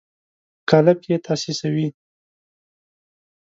په قالب کې یې تاسیسوي.